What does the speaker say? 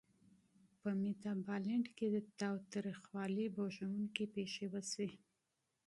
په میتابالنډ کې د تاوتریخوالي بوږنوونکې پېښې وشوې.